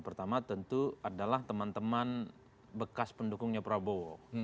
pertama tentu adalah teman teman bekas pendukungnya prabowo